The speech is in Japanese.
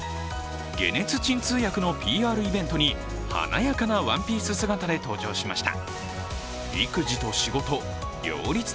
解熱鎮痛薬のＰＲイベントに華やかなワンピース姿で登場しました。